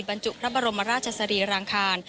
บรรจุพระบรมราชสรีรางคาร